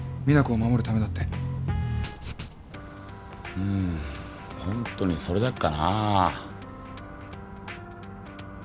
うーんホントにそれだけかなぁ。